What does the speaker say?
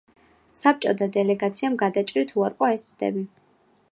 საბჭოთა დელეგაციამ გადაჭრით უარყო ეს ცდები.